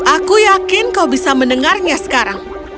aku yakin kau bisa mendengarnya sekarang